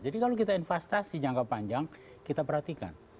jadi kalau kita investasi jangka panjang kita perhatikan